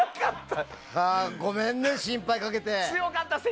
ごめんね、心配かけて。